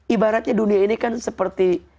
ibaratnya dunia ini kan seperti